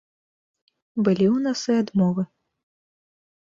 Былі ў нас і адмовы.